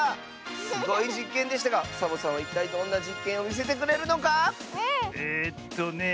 すごいじっけんでしたがサボさんはいったいどんなじっけんをみせてくれるのか⁉えっとね